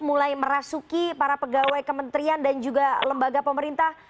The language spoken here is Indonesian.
mulai merasuki para pegawai kementerian dan juga lembaga pemerintah